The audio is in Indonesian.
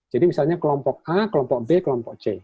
jadi misalnya kelompok a kelompok b kelompok c